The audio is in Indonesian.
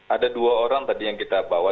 ada dua orang tadi yang kita bawa